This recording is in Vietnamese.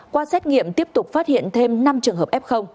qua xét nghiệm tiếp tục phát hiện thêm năm trường hợp f